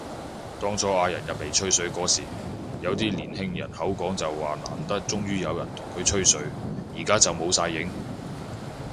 當初嗌人入嚟吹水嗰時，有啲年輕人口講就話難得終於有人同佢吹水，而家就冇晒影